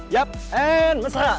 yap and mesra